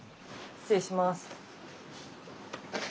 失礼します。